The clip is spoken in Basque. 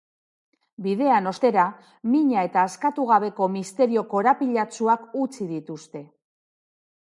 Bidean ostera, mina eta askatu gabeko misterio korapilatsuak utzi dituzte.